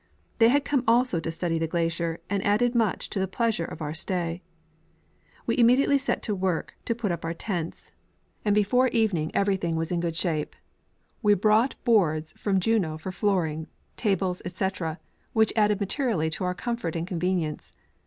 They had come also to study the glacier, and added much to the pleasure of our stay. We immediately set to work to put up our tents, and 22 li. F. Reid — Studies of Muir Glacier. before evening everything was in good shape. We brouglit boards from Juneau for flooring, tables, etc, which added mate rially to our comfort and convenience.